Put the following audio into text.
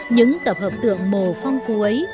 những tập hợp tượng mồ phong phú ấy